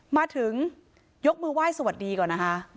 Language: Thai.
มาถึงยกมือไหว้สวัสดีก่อนนะคะ